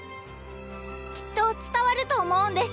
きっと伝わると思うんです。